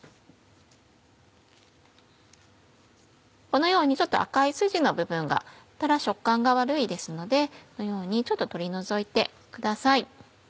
このようにちょっと赤いスジの部分があったら食感が悪いですのでこのようにちょっと取り除いてください。